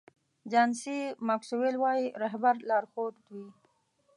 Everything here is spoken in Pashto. جان سي ماکسویل وایي رهبر لارښود وي.